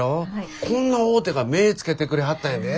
こんな大手が目ぇつけてくれはったんやで。